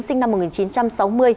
sinh năm một nghìn chín trăm sáu mươi